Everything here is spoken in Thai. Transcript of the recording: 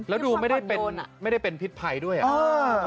และลุ้งไม่ได้เป็นผิดไผด้ด้วยนะ